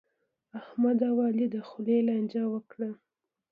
احمد او علي د خولې لانجه وکړه.